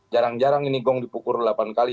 jarang jarang ini gong dipukul delapan kali